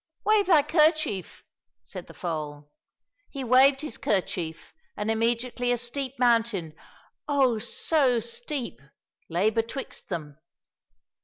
—" Wave thy kerchief !" said the foal. He waved his kerchief, and immediately a steep mountain — oh, so steep !— lay betwixt them.